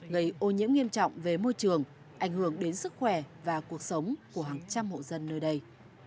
gây ô nhiễm nghiêm trọng về môi trường ảnh hưởng đến sức khỏe và cuộc sống của hàng trăm hộ dân nơi đây